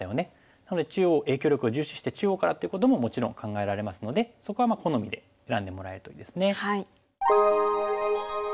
なので影響力を重視して中央からってことももちろん考えられますのでそこは好みで選んでもらえるといいですね。